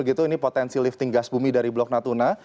ini potensi lifting gas bumi dari blok natuna